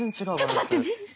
ちょっと待って人生。